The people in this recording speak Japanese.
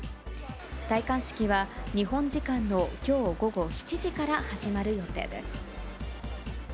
戴冠式は、日本時間のきょう午後７時から始まる予定です。